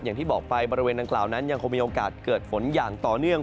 อย่างที่บอกไปบริเวณดังกล่าวนั้นยังคงมีโอกาสเกิดฝนอย่างต่อเนื่อง